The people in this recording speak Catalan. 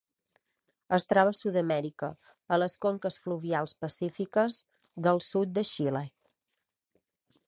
Es troba a Sud-amèrica, a les conques fluvials pacífiques del sud de Xile.